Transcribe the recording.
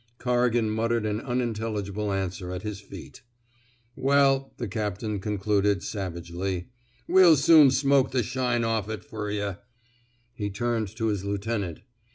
'' Corrigan muttered an unintelligible answer at his feet. Well,'' the captain concluded, savagely, we'll soon smoke the shine off it fer yuh." He turned to his lieutenant.